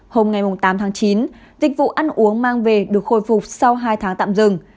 hôm nay tám tháng chín dịch vụ ăn uống mang về được khôi phục sau hai tháng tạm dừng